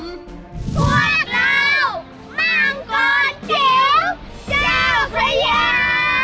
เจ้ามังกรจิ๋วเจ้าพระยาสู้ไม่ท้ายห้า